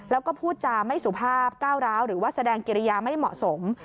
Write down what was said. แล้วก็พูดจาไม่สุภาพก้าวร้าวหรือว่าแสดงกิริยาไม่เหมาะสม